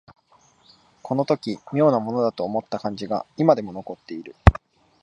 この時妙なものだと思った感じが今でも残っている